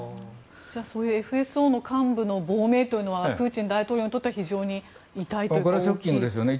じゃあ、そういうＦＳＯの幹部の亡命というのはプーチン大統領にとってはショッキングですよね。